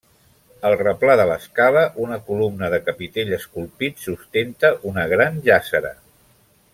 Al replà de l'escala una columna de capitell esculpit sustenta una gran jàssera.